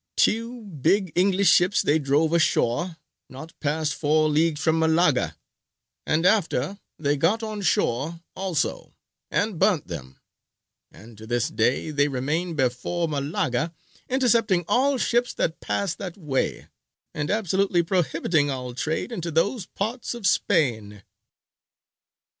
Two big English ships they drove ashore, not past four leagues from Malaga; and after they got on shore also, and burnt them, and to this day they remain before Malaga, intercepting all ships that pass that way, and absolutely prohibiting all trade into those parts of Spain."